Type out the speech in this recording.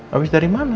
habis dari mana